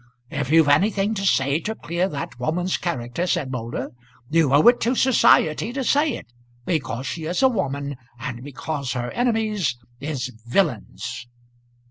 "If you've anything to say to clear that woman's character," said Moulder, "you owe it to society to say it; because she is a woman, and because her enemies is villains."